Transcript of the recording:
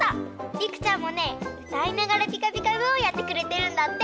りくちゃんもねうたいながら「ピカピカブ！」をやってくれてるんだって。